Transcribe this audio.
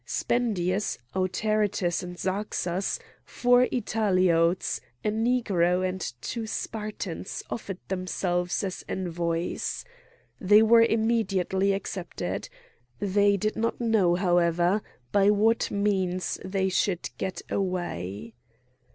Spendius, Autaritus, and Zarxas, four Italiotes, a Negro and two Spartans offered themselves as envoys. They were immediately accepted. They did not know, however, by what means they should get away.